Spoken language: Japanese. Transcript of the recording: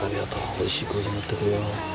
おいしいコーヒーになってくれよ。